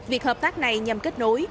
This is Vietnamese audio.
việc hợp tác này nhằm kết nối